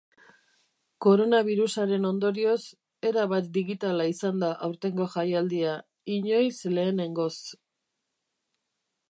Koronabirusaren ondorioz, erabat digitala izan da aurtengo jaialdia, inoiz lehenengoz.